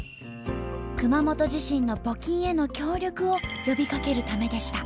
熊本地震の募金への協力を呼びかけるためでした。